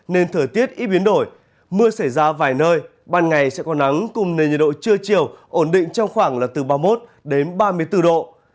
nên thời tiết ít biến đổi mưa xảy ra vài nơi ban ngày sẽ có nắng cùng nền nhiệt độ trưa chiều ổn định trong khoảng là từ ba mươi một đến ba mươi bốn độ